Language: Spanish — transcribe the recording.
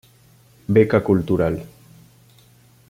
Beca Cultural.